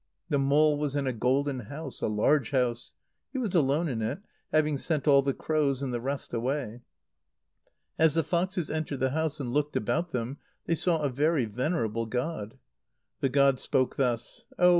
The mole was in a golden house a large house. He was alone in it, having sent all the crows and the rest away. As the foxes entered the house and looked about them, they saw a very venerable god. The god spoke thus: "Oh!